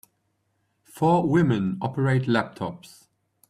Four women operate laptops.